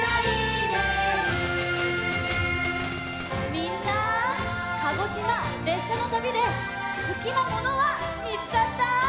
みんな鹿児島れっしゃのたびですきなものはみつかった？